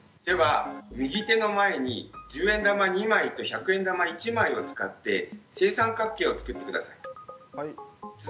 では右手の前に１０円玉２枚と１００円玉１枚を使って正三角形を作って下さい。